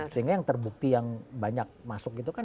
sehingga yang terbukti yang banyak masuk itu kan